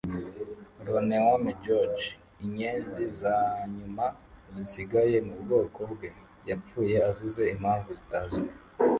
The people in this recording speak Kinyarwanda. Loneome George, inyenzi zanyuma zisigaye mubwoko bwe, yapfuye azize impamvu zitazwi.